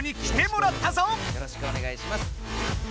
よろしくお願いします！